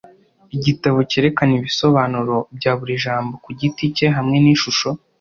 igitabo cyerekana ibisobanuro bya buri jambo kugiti cye hamwe nishusho